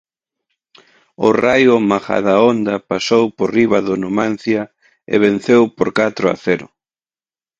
O Raio Majadahonda pasou por riba do Numancia e venceu por catro a cero.